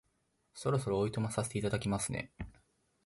そろそろお暇させていただきますね